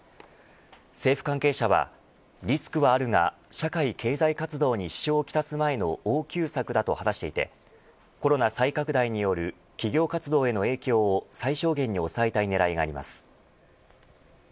政府関係者は、リスクはあるが社会経済活動に支障をきたす前の応急策だと話していてコロナ再拡大による企業活動への影響を最小限に抑えたい狙いがあります。